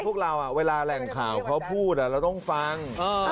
พวกเราเวลาแหล่งข่าวเขาพูดเราต้องฟัง